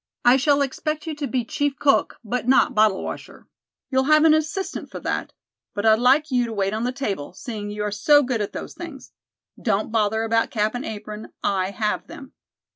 I shall expect you to be chief cook, but not bottle washer. You'll have an assistant for that; but I'd like you to wait on the table, seeing you are so good at those things. Don't bother about cap and apron. I have them.